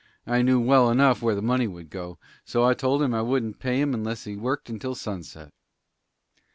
I knew well enough where the money would go, so I told him I wouldn't pay him unless he worked until sunset."